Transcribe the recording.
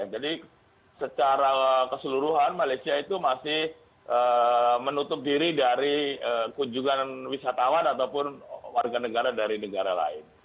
jadi secara keseluruhan malaysia itu masih menutup diri dari kunjungan wisatawan ataupun warga negara dari negara lain